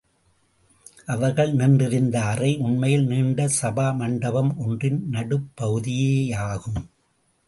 அவர்கள் நின்றிருந்த அறை உண்மையில் நீண்ட சபா மண்டபம் ஒன்றின் நடுப் பகுதியேயாகும்.